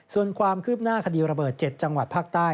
ส่วนความคืบหน้าคดีระเบิด๗จังหวัดภาคใต้